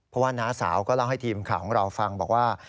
เพราะว่าน้าสาวก็เล่าให้ทีมข่าวของเราฟังบอกว่า